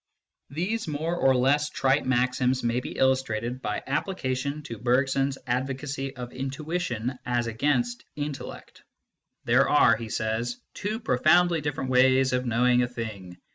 These more or less trite maxims may be illustrated by application to Bergson s advocacy of " intuition " as against " intellect." There are, he says, " two profoundly different ways of knowing a thing.